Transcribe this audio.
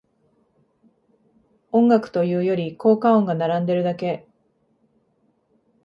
音楽というより効果音が並んでるだけ